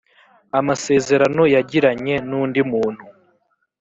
amasezerano yagiranye n undi muntu